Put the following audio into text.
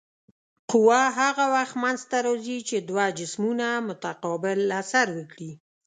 قوه هغه وخت منځته راځي چې دوه جسمونه متقابل اثر وکړي.